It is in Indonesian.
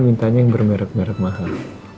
minta nya yang bermerat merat mahal